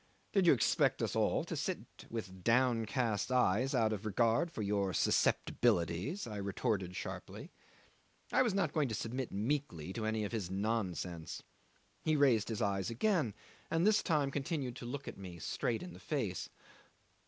"Did you expect us all to sit with downcast eyes out of regard for your susceptibilities?" I retorted sharply. I was not going to submit meekly to any of his nonsense. He raised his eyes again, and this time continued to look me straight in the face.